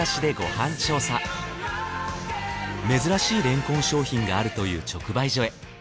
本日は珍しいれんこん商品があるという直売所へ。